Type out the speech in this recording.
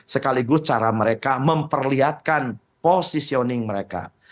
sekaligus cara mereka memperlihatkan positioning mereka